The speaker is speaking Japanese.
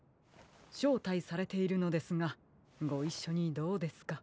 しょうたいされているのですがごいっしょにどうですか？